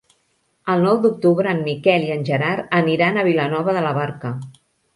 El nou d'octubre en Miquel i en Gerard aniran a Vilanova de la Barca.